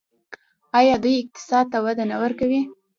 آیا دوی اقتصاد ته وده نه ورکوي؟